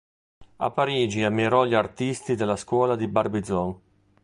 A Parigi ammirò gli artisti della Scuola di Barbizon.